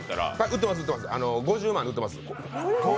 ５０万で売ってます。